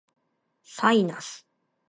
サイナス